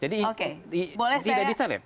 jadi ini tidak disalit